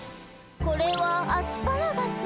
「これはアスパラガス」